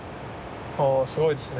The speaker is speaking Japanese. あすごいですね。